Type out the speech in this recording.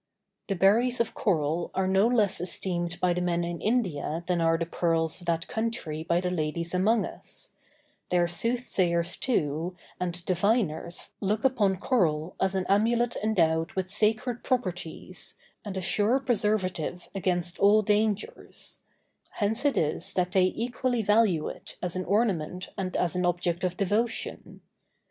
The berries of coral are no less esteemed by the men in India than are the pearls of that country by the ladies among us; their soothsayers, too, and diviners look upon coral as an amulet endowed with sacred properties, and a sure preservative against all dangers: hence it is that they equally value it as an ornament and as an object of devotion.